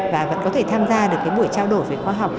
và vẫn có thể tham gia được cái buổi trao đổi về khoa học